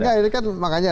enggak ini kan makanya